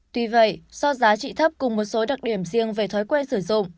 tuy vậy do giá trị thấp cùng một số đặc điểm riêng về thói quen sử dụng